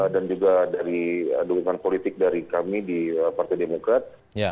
dan juga dari dukungan politik dari kami di partai demokrat